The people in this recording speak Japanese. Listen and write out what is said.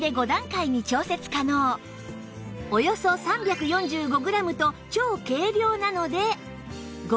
およそ３４５グラムと超軽量なので